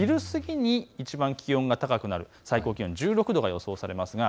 昼過ぎにいちばん気温が高くなる最高気温１６度が予想されます。